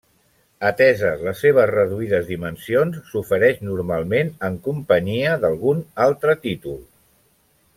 Ateses les seves reduïdes dimensions s'ofereix normalment en companyia d'algun altre títol.